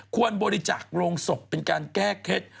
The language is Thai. ควรบริจาคโรงศพเป็นการแก้เคล็ด